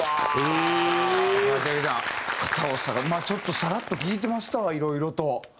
ちょっとサラッと聴いてましたわいろいろと。